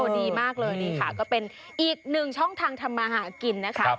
ดีมากเลยนี่ค่ะก็เป็นอีกหนึ่งช่องทางทำมาหากินนะคะ